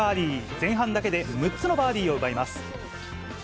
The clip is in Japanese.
前半だけで６つのバーディーを奪います。